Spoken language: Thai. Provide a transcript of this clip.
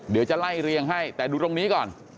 เดี๋ยวจะไล่เรียงให้แต่ดูตรงนี้ก่อน